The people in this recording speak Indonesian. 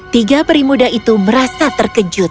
tiga peri muda itu merasa terkejut